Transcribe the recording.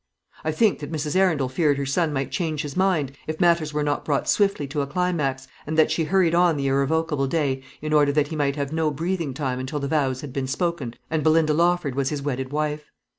I think that Mrs. Arundel feared her son might change his mind if matters were not brought swiftly to a climax, and that she hurried on the irrevocable day in order that he might have no breathing time until the vows had been spoken and Belinda Lawford was his wedded wife.